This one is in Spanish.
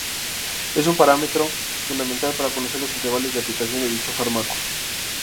Es un parámetro fundamental para conocer los intervalos de aplicación de dicho fármaco.